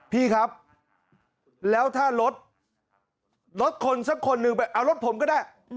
พี่ครับแล้วถ้ารถรถคนสักคนหนึ่งไปเอารถผมก็ได้